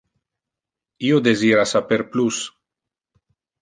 Io desira saper plus.